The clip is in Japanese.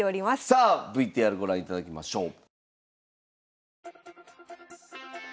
さあＶＴＲご覧いただきましょう。